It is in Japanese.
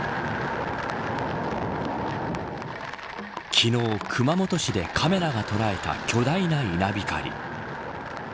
昨日、熊本市でカメラが捉えた巨大な稲光。